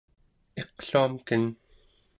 iqluamken